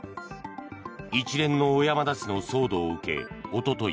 一連の小山田氏の騒動を受けおととい